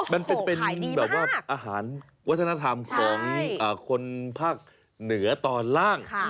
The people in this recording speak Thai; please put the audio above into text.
มันเป็นแบบว่าอาหารวัฒนธรรมของคนภาคเหนือตอนล่าง